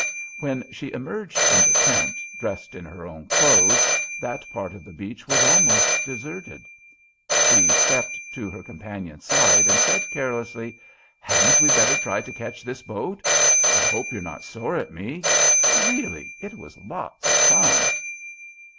When she emerged from the tent, dressed in her own clothes, that part of the beach was almost deserted. She stepped to her companion's side and said carelessly: "Hadn't we better try to catch this boat? I hope you're not sore at me. Really, it was lots of fun."